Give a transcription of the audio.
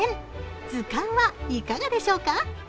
図鑑はいかがでしょうか？